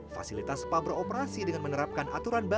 fasilitas spa beroperasi dengan menerapkan aturan baru